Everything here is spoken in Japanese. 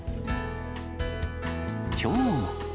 きょうも。